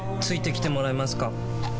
付いてきてもらえますか？